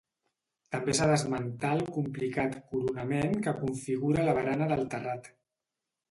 També s'ha d'esmentar el complicat coronament que configura la barana del terrat.